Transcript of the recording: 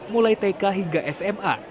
mulai tk hingga sma